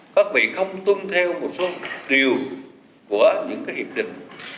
các vị không tuân theo một số điều của những cái hiệp định